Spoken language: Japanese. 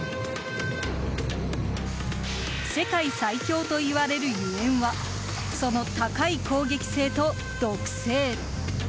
世界最凶といわれるゆえんはその高い攻撃性と毒性。